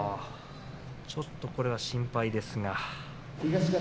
ちょっとこれは心配です。